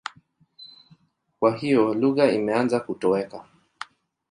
Kwa hiyo lugha imeanza kutoweka.